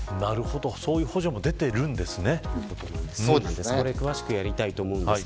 そういう補助も出ているんですね。